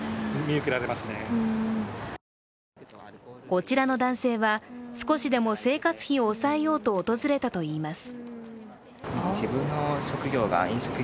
こちらの男性は、少しでも生活費を抑えようと訪れたといいます。